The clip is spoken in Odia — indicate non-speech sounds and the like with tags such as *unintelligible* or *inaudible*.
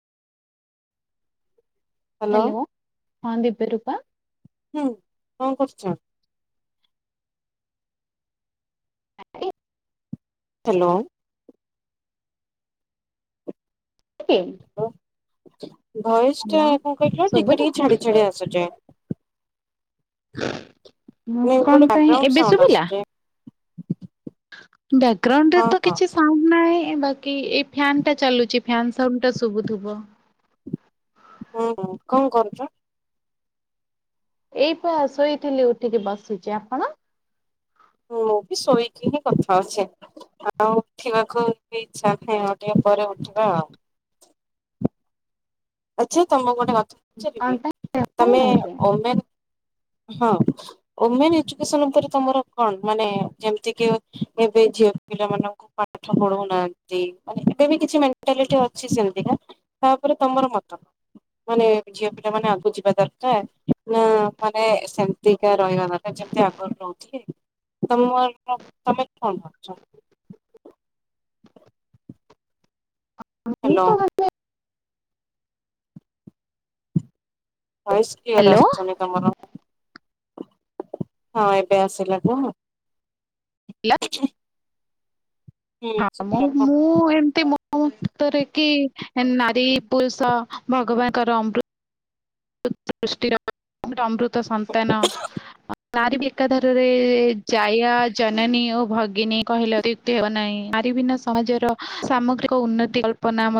ହ୍ୟାଲୋ, ହଁ ଦିିବ୍ୟରୂପ। ହୁଁ, କଣ କରୁଛ? ଆରେ ହ୍ୟାଲୋ। କି *unintelligible* ଭଏସ୍ ଟା କଣ କହିଲ ଶୁଭୁନି? ଟିକେ-ଟିକେ ଛାଡି-ଛାଡି ଆସୁଚି। ନାଇଁ କଣ ଗୋଟେ ପାଇଁ, ବ୍ୟାକଗ୍ରାଉଣ୍ଡ ଏବେ ସାଉଣ୍ଡ ଶୁଭିଲା? ଆସୁଛି। ବ୍ୟାଗ୍ରାଉଣ୍ଡରେ ହଁ ତ ହଁ କିଛି ସାଉଣ୍ଡ ନାହିଁ, ବାକି ଏଇ ଫ୍ୟାନ୍ ଟା ଚାଲୁଚି ଫ୍ୟାନ୍ ସାଉଣ୍ଡ ଟା ଶୁଭୁଥିବ। ହୁଁ-ହୁଁ, କଣ କରୁଚ? ଏଇ ପା ଶୋଇଥିଲି ଉଠିକି ବସିଚି, ଆପଣ? ମୁଁ ବି ଶୋଇକି ହିଁ କଥା ହଉଛି, ଆଉ ଉଠିବାକୁ ବି ଇଚ୍ଛା ନାହିଁ ଆଉ। ଟିକେ ପରେ ଉଠିବା ଆଉ। ଆଚ୍ଛା ତମକୁ ଗୋଟେ କଥା କଣ ପଚାରିବି, ପାଇଁ ଦେହ ଭଲ ତମେ ନାହିଁ କି? ଓମେନ୍ ହଁ ଓମେନ୍ ଏଜୁକେସନ୍ ଉପରେ ତମର କଣ ମାନେ ଯେମ୍ତି କି ଏବେ ଝିଅ ପିଲାମାନଙ୍କୁ ପାଠ ପଢଉନାହାନ୍ତି, ମାନେ ଏବେ ବି କିଛି ମେଣ୍ଟାଲିଟି ଅଛି ସେମ୍ତି *unintelligible* ତାପରେ ତମର ମତ, ମାନେ ଝିଅ ପିଲାମାନେ ଆଗକୁ ଯିବା ଦରକାର୍ ନା ମାନେ ସେମ୍ତିକା ରହିବା ଦରକାର୍, ଯେମ୍ତି ଆଗରୁ ରହୁଥିଲେ। ତମର ତମେ କଣ କରୁଚ? ମୁଁ ହେଲୋ। ତ ଭଏସ୍ କ୍ଲିୟର୍ ହ୍ୟାଲୋ ଆସୁନି ତମର, ହଁ ଏବେ ଆସିଲା କୁହ। ହେଲା? ହୁଁ ହଁ ଶୁଭିଲା କୁହ। ମୁଁ-ମୁଁ ଏମ୍ତି ମୋ ମୋ ମତରେ କି ନାରୀ ପୁରୁଷ ଭଗବାନଙ୍କର ଅମୃତ ସୃଷ୍ଟିର *unintelligible* ଅମୃତ ସନ୍ତାନ। ନାରୀ ବି ଏକାଧାରରେ ଜାୟା, ଜନନୀ ଓ ଭଗିନୀ କହିଲେ ଅତ୍ୟୁ କ୍ତୀ ହେବ ନାହିଁ, ନାରୀ ବିନା ସମାଜର ସାମଗ୍ରିକ ଉନ୍ନତି କଳ୍ପନା ମ